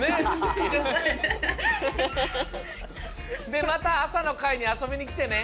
でまた朝の会にあそびにきてね。